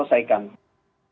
yang tidak terselesaikan